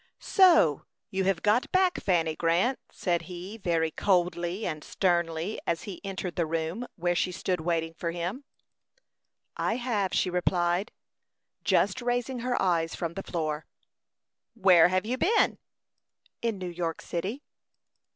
"So you have got back, Fanny Grant," said he, very coldly and sternly, as he entered the room where she stood waiting for him. "I have," she replied, just raising her eyes from the floor. "Where have you been?" "In New York city."